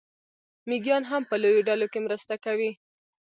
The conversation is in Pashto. مېږیان هم په لویو ډلو کې مرسته کوي.